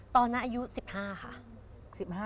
ตอนนั้นอายุ๑๕ค่ะ